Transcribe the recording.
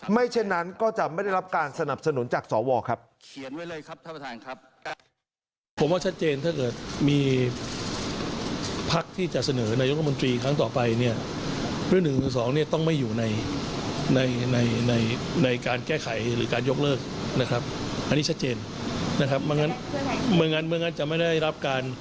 เช่นนั้นก็จะไม่ได้รับการสนับสนุนจากสวครับ